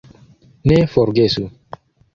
Ne forgesu!